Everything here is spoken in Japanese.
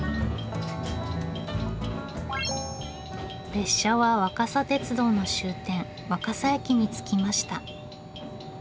列車は若桜鉄道の終点若桜駅に着きました。